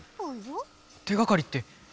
手がかりって？